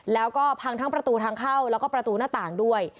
แล้วก็พังทั้งประตูทางเข้าแล้วก็ประตูหน้าต่างด้วย